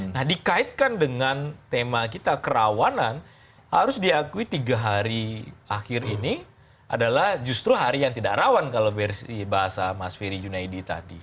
nah dikaitkan dengan tema kita kerawanan harus diakui tiga hari akhir ini adalah justru hari yang tidak rawan kalau versi bahasa mas ferry junaidi tadi